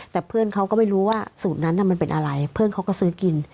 แต่เพื่อนเขาก็ไม่รู้ว่าสูตรนั้นมันเป็นอะไรเพื่อนเขาก็ซื้อกิน